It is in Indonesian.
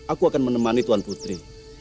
aku akan menemani tuan putri